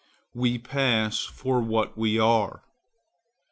We pass for what we are.